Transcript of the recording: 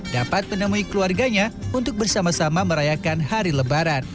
dapat menemui keluarganya untuk bersama sama merayakan hari lebaran